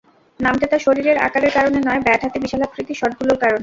নামটা তাঁর শরীরের আকারের কারণে নয়, ব্যাট হাতে বিশালাকৃতির শটগুলোর কারণে।